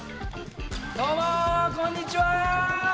どうもこんにちは！